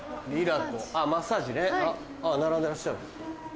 並んでらっしゃる。